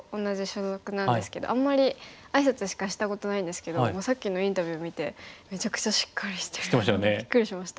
あんまり挨拶しかしたことないんですけどもうさっきのインタビュー見てめちゃくちゃしっかりしてもうびっくりしました。